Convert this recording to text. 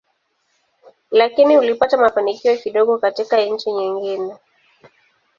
Lakini ulipata mafanikio kidogo katika nchi nyingine.